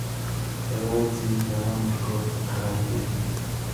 یوازې دوام ورکول پکار دي.